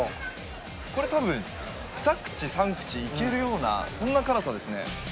これ多分２口３口いけるようなそんな辛さですね。